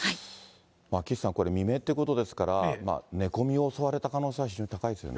岸さん、これ、未明ってことですから、寝込みを襲われた可能性は非常に高いですね。